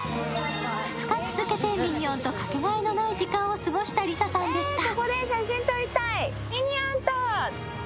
２日続けてミニオンとかけがえのない時間を過ごしたＬｉＳＡさんでした。